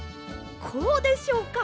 こうでしょうか？